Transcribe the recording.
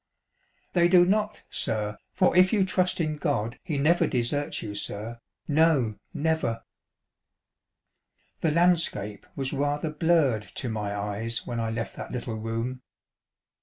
They do not, sir, for if you trust in God he never deserts you, sir ; no never." The landscape was rather blurred to my eyes when I left that little room.